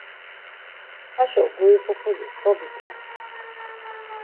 Haşo guri pupuli so bida!